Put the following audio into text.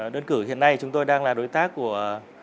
đơn cử hiện nay chúng tôi đang là đối tác của